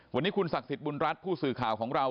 วันนี้คุณศักดิ์สิทธิบุญรัฐผู้สื่อข่าวของเรา